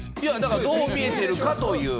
どう見えているかという。